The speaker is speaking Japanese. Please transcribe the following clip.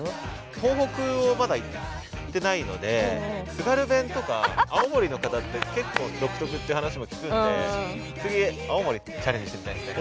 東北をまだ行ってないので津軽弁とか青森の方って結構独特っていう話も聞くんで次青森チャレンジしてみたいですね。